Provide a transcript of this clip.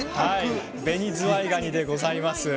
ベニズワイガニでございます。